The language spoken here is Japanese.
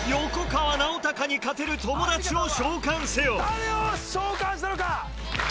誰を召喚したのか？